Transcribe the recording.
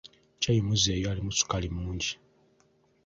Caai muzeeyo alimu ssukaali mungi.